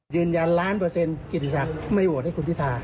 ยืนยันล้านเปอร์เซ็นกิติศักดิ์ไม่โหวตให้คุณพิธา